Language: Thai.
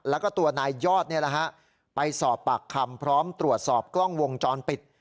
แล้วก็ตัวนายยอดไปสอบปากคำพร้อมตรวจสอบกล้องวงจรปิด